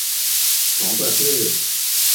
ของประเทศ